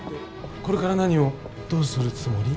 これから何をどうするつもり？